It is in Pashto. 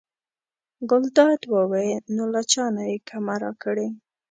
ګلداد وویل: نو له چا نه یې کمه راکړې.